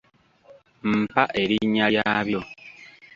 Mpa erinnya lyabyo.